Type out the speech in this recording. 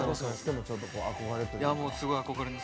すごい憧れです。